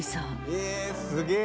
えっすげえ。